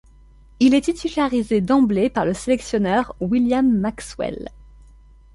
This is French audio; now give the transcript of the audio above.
Il est titularisé d'emblée par le sélectionneur William Maxwell.